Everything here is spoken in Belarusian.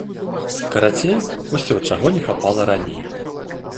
Карацей, усё, чаго не хапала раней.